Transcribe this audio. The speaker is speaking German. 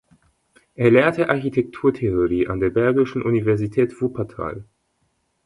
Er lehrte Architekturtheorie an der Bergischen Universität Wuppertal.